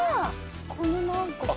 この何か。